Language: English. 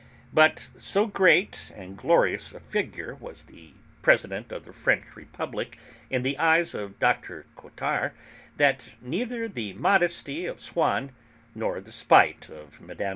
But so great and glorious a figure was the President of the French Republic in the eyes of Dr. Cottard that neither the modesty of Swann nor the spite of Mme.